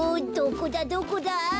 どこだどこだ！